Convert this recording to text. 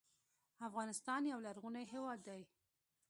افغانستان یو لرغونی هېواد دی